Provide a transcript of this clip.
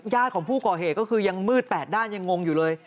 ของผู้ก่อเหตุก็คือยังมืดแปดด้านยังงงอยู่เลย